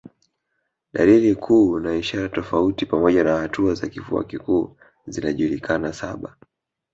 Dalili kuu na ishara tofauti pamoja na hatua za kifua kikuu zinajulikana saba